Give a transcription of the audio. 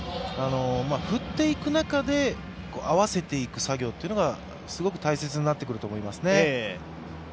振っていく中で合わせていく作業がすごく大切になってくると思いますね。